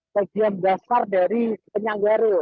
sejumlah dasar dari penyanggaru